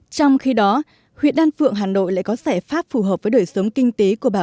trong khi đó huyện đan phượng hà nội lại có giải pháp phù hợp với đời sống kinh tế của bà